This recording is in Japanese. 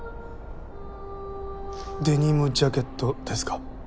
デニムジャケットですか？